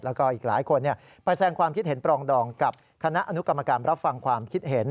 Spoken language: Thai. แล้วก็อีกหลายคนไปแสงความคิดเห็นปรองดองกับคณะอนุกรรมการรับฟังความคิดเห็น